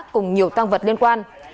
cùng nhiều tăng vật liên quan